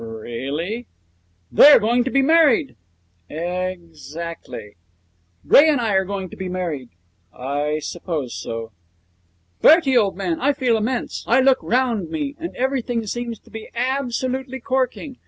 'Really?' 'They are going to be married.' 'Exactly.' 'Ray and I are going to be married.' 'I suppose so.' 'Bertie, old man, I feel immense. I look round me, and everything seems to be absolutely corking.